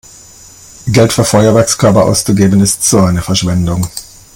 Geld für Feuerwerkskörper auszugeben ist so eine Verschwendung!